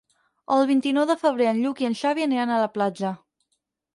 El vint-i-nou de febrer en Lluc i en Xavi aniran a la platja.